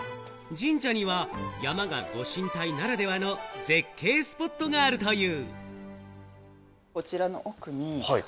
神社には山が御神体ならではの絶景スポットがあるという。